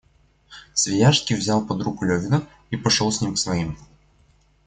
Свияжский взял под-руку Левина и пошел с ним к своим.